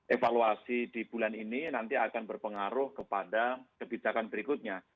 evaluasi di bulan ini nanti akan berpengaruh kepada kebijakan berikutnya